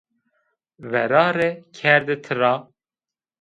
Verare kerde tira